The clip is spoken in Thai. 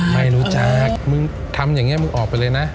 ไม่รู้จักมึงทำอย่างนี้มึงออกไปเลยนะ